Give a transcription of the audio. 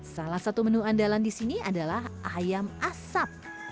salah satu menu andalan di sini adalah ayam asap